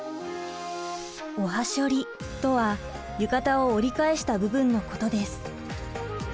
おはしょりとは浴衣を折り返した部分のことです。